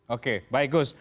oke baik gus